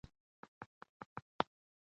اورګاډي پټلۍ ارزانه ده.